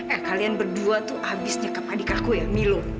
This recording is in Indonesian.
eh kalian berdua tuh habis nyekap adik aku ya milu